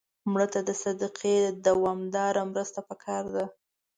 مړه ته د صدقې دوامداره مرسته پکار ده